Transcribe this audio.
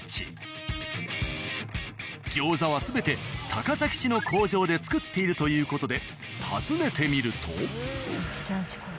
餃子は全て高崎市の工場で作っているという事で訪ねてみると。